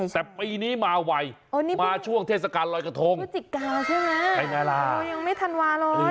แต่ปีนี้มาไวมาช่วงเทศกาลรอยกระทงยังไม่ทันวารอย